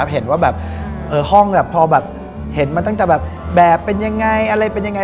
เห็นว่าห้องมันต้องจะแบบเป็นยังไงอะไรเป็นยังไง